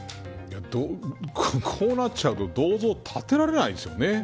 こうなっちゃうと銅像、立てられないですよね。